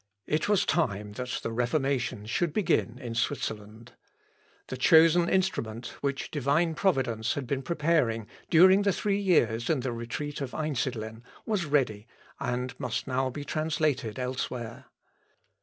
It was time that the Reformation should begin in Switzerland. The chosen instrument which Divine Providence had been preparing during three years in the retreat of Einsidlen, was ready and must now be translated elsewhere.